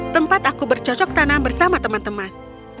tempat aku bercocok tanam bersama teman teman